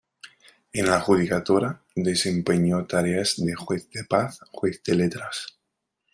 En la judicatura desempeñó tareas de Juez de Paz, Juez de Letras.